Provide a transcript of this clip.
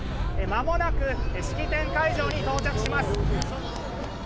まもなく式典会場に到着します。